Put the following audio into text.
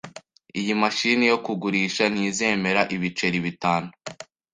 Iyi mashini yo kugurisha ntizemera ibiceri bitanu .